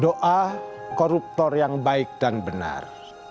doa koruptor yang baik dan benar